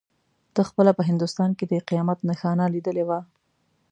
ده خپله په هندوستان کې د قیامت نښانه لیدلې وه.